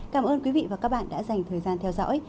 cảm ơn quý vị và các bạn đã dành thời gian theo dõi